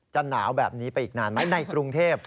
หนาวแบบนี้ไปอีกนานไหมในกรุงเทพ